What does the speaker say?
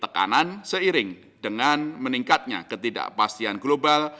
tekanan seiring dengan meningkatnya ketidakpastian global